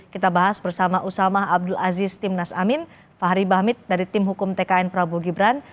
kita bahas bersama usamah abdul aziz timnas amin fahri bahmid dari tim hukum tkn prabowo gibran